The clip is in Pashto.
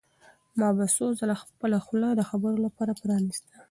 ما به څو ځله خپله خوله د خبرو لپاره پرانیسته.